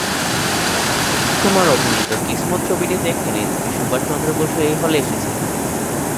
অশোক কুমার অভিনীত "কিসমত" ছবিটি দেখতে নেতাজি সুভাষচন্দ্র বসু এই হলে এসেছিলেন।